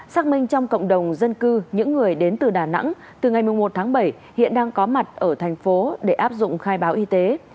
xác minh trong cộng đồng dân cư những người đến từ đà nẵng từ ngày một tháng bảy hiện đang có mặt ở thành phố để áp dụng khai báo y tế